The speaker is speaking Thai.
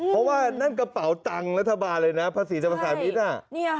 เพราะว่านั่นกระเป๋าตังค์รัฐบาลเลยนะภาษีสรรพสามิตร